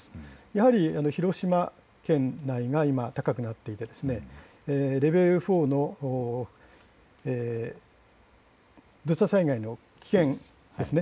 やはり広島県内が今、高くなっていて、レベル４の土砂災害の危険です。